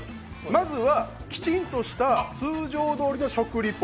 まずはきちんとした通常どおりの食リポ